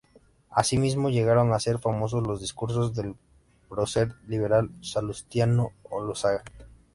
Asimismo, llegaron a ser famosos los discursos del prócer liberal Salustiano Olózaga.